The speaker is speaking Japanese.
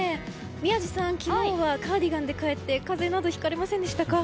宮司さん、昨日はカーディガンで帰って風邪などひかれませんでしたか？